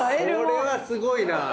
それはすごいな！